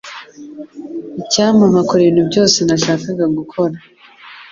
Icyampa nkakora ibintu byose nashakaga gukora.